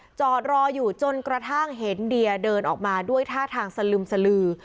จอดรออยู่จนกระทั่งเห็นเดียเดินออกมาด้วยท่าทางสลึมสลือ